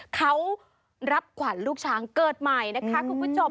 เขารับขวัญลูกช้างเกิดใหม่นะคะคุณผู้ชม